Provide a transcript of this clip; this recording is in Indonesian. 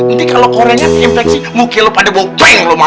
ini kalo koreanya di infeksi mukil lo pada bau peng lo mau